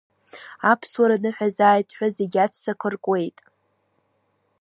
Аԥсуара ныҳәазааит ҳәа зегьы аҵәцақәа ркуеит.